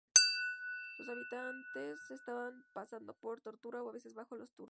Sus habitantes estaban pasando por torturar a veces bajo los turcos.